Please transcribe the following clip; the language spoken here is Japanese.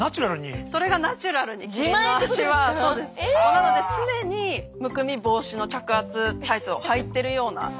なので常にむくみ防止の着圧タイツをはいてるような。